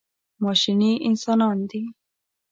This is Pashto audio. ماشیني انسانان دي.